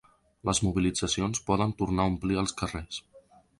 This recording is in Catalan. Les mobilitzacions poden tornar a omplir els carrers.